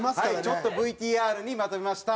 ちょっとＶＴＲにまとめました。